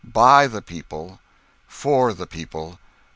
. .by the people. . .for the people.